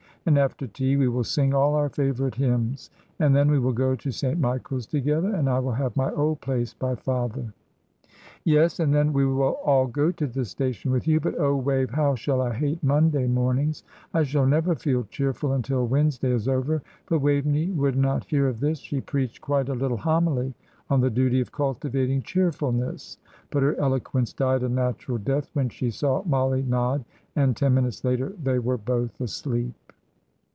And after tea we will sing all our favourite hymns, and then we will go to St. Michael's together, and I will have my old place by father." "Yes; and then we will all go to the station with you. But oh, Wave, how I shall hate Monday mornings! I shall never feel cheerful until Wednesday is over;" but Waveney would not hear of this she preached quite a little homily on the duty of cultivating cheerfulness; but her eloquence died a natural death when she saw Mollie nod, and ten minutes later they were both asleep.